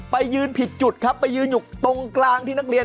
ไปยืนผิดจุดครับไปยืนอยู่ตรงกลางที่นักเรียน